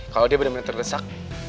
kalau dia benar benar terdesak